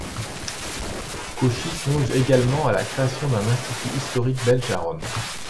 Cauchie songe également à la création d'un Institut historique belge à Rome.